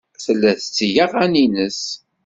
Tella tetteg aɣan-nnes.